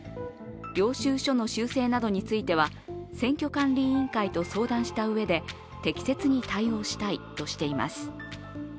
領収書の修正などについては、選挙管理委員会などと相談したうえで適切に対応したいとしています。